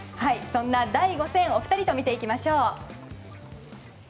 そんな第５戦をお二人と見ていきましょう。